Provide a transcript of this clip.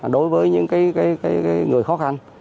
đối với những cái người khó khăn